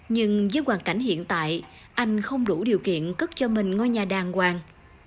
nhưng với hoàn cảnh hiện tại anh không đủ điều kiện cất cho mình ngôi nhà đàng hoàng